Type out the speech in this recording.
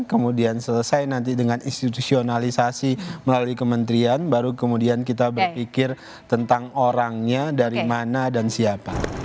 kemudian selesai nanti dengan institusionalisasi melalui kementerian baru kemudian kita berpikir tentang orangnya dari mana dan siapa